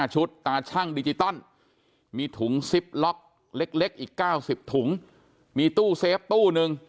ชุดตาชั่งดิจิตอลมีถุงซิปล็อกเล็กอีก๙๐ถุงมีตู้เซฟตู้นึง